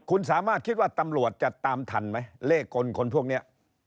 คุณสามารถคิดว่าตำรวจจะตามทันไหมเลขกลคนพวกนี้